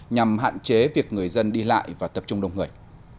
nhằm hạn chế việc người dân đi lại và tập trung đông người